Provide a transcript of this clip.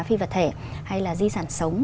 phi vật thể hay là di sản sống